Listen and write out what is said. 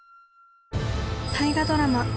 大河ドラマ